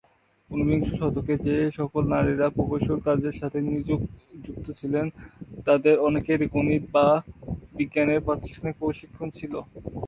উনবিংশ শতকে, যে সকল নারীরা প্রকৌশল কাজের সাথে যুক্ত ছিলেন তাদের অনেকেরই গণিত বা বিজ্ঞানের প্রাতিষ্ঠানিক প্রশিক্ষণ ছিল।